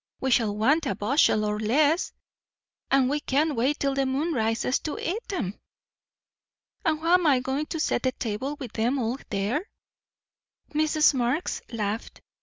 We shall want a bushel or less; and we can't wait till the moon rises, to eat 'em." "And how am I going to set the table with them all there?" Mrs. Marx laughed.